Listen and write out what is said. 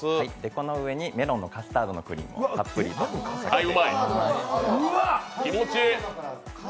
この上にメロンのカスタードクリームをたっぷりかけます。